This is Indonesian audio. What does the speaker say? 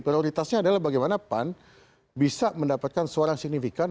prioritasnya adalah bagaimana pan bisa mendapatkan suara yang signifikan